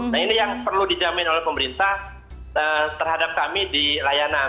nah ini yang perlu dijamin oleh pemerintah terhadap kami di layanan